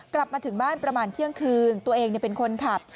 กลับมาถึงบ้านประมาณเที่ยงคืนตัวเองเป็นคนขับ